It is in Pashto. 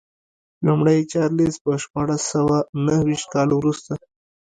لومړی چارلېز په شپاړس سوه نهویشت کال وروسته.